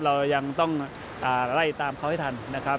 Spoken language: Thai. เรายังต้องไล่ตามเขาให้ทันนะครับ